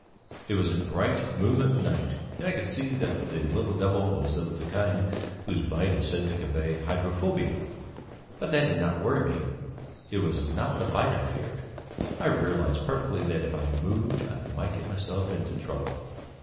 It was a bright moonlight night, and I could see that the little devil was of the kind whose bite is said to convey hydrophobia. But that did not worry me; it was not the bite I feared. I realized perfectly that if I moved I might get myself into trouble.